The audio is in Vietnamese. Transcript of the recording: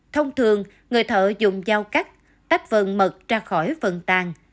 thông thường người thợ dùng dao cắt tách phần mật ra khỏi phần tàn